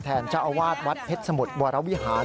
เจ้าอาวาสวัดเพชรสมุทรวรวิหาร